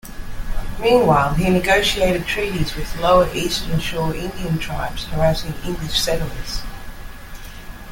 Meanwhile, he negotiated treaties with Lower Eastern Shore Indian tribes harassing English settlers.